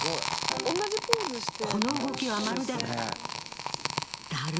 この動きはまるで。